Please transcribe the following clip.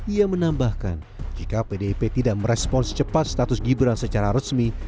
ia menambahkan jika pdip tidak merespons cepat status gibran secara resmi